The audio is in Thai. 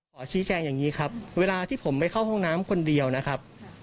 ขอชี้แจงอย่างนี้ครับเวลาที่ผมไปเข้าห้องน้ำคนเดียวนะครับ